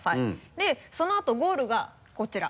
でそのあとゴールがこちら。